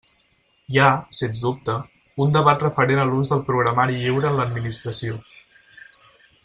Hi ha, sens dubte, un debat referent a l'ús del programari lliure en l'administració.